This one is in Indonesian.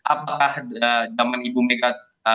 apakah zaman ibu mega